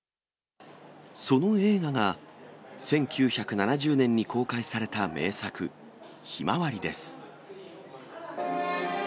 その映画が、１９７０年に公開された名作、ひまわりです。